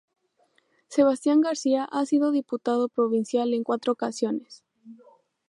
Sebastián García ha sido diputado provincial en cuatro ocasiones.